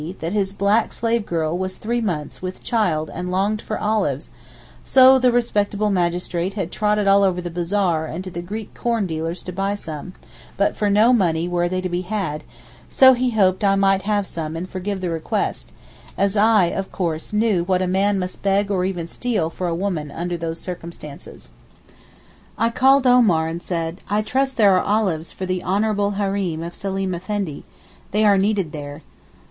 e._, that his black slave girl was three months with child and longed for olives, so the respectable magistrate had trotted all over the bazaar and to the Greek corn dealers to buy some, but for no money were they to be had, so he hoped I might have some and forgive the request, as I, of course, knew that a man must beg or even steal for a woman under these circumstances. I called Omar and said, 'I trust there are olives for the honourable Hareem of Seleem Effendi—they are needed there.